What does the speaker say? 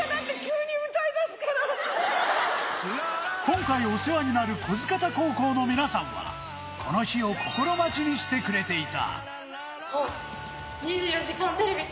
今回、お世話になる不来方高校の皆さんは、この日を心待ちにしてくれていた。